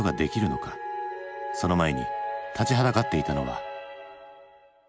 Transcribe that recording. その前に立ちはだかっていたのは。